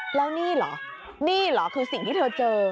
แล้วนี่เหรอนี่เหรอคือสิ่งที่เธอเจอ